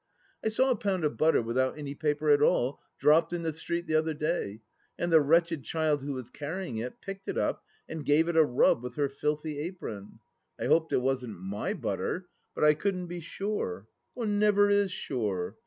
I saw a pound of butter without any paper at all dropped in the street the other day, and the wretched child who was carrying it picked it up and gave it a rub with her filthy apron ! I hoped it wasn't my butter ; but I couldn't be sure. One never is sure.